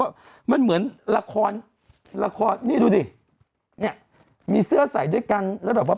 ว่ามันเหมือนละครละครนี่ดูดิเนี่ยมีเสื้อใส่ด้วยกันแล้วแบบว่า